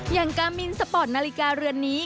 อย่างกามินสปอร์ตนาฬิกาเรือนนี้